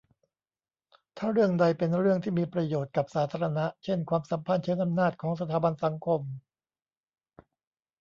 ถ้าเรื่องใดเป็นเรื่องที่มีประโยชน์กับสาธารณะ เช่นความสัมพันธ์เชิงอำนาจของสถาบันสังคม